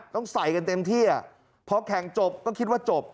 ต้องใส่กันเต็มที่พอแข่งจบก็คิดว่าจบ